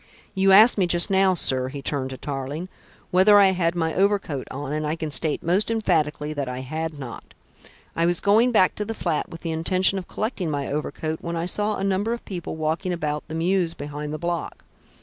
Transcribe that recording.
You asked me just now, sir," he turned to Tarling, "whether I had my overcoat on, and I can state most emphatically that I had not. I was going back to the flat with the intention of collecting my overcoat, when I saw a number of people walking about the mews behind the block.